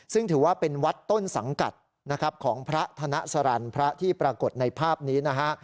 ซึ่งถือว่าเป็นวัดต้นสังกัดนะครับของพระธนสรรค์พระที่ปรากฏในภาพนี้นะฮะ